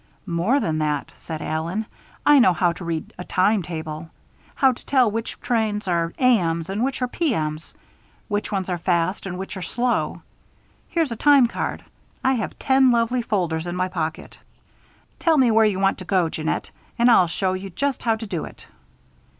"More than that," said Allen. "I know how to read a time table. How to tell which trains are A.M.'s and which are P.M.'s. Which ones are fast and which are slow. Here's a time card I have ten lovely folders in my pocket. Tell me where you want to go, Jeannette, and I'll show you just how to do it."